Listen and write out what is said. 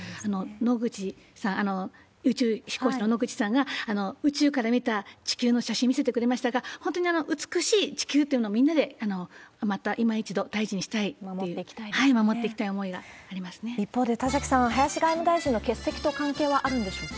野口さん、宇宙飛行士の野口さんが宇宙から見た地球の写真見せてくれましたが、本当に美しい地球というのを、またいま一度大事にしたい、一方で、田崎さん、林外務大臣の欠席と関係はあるんでしょうか。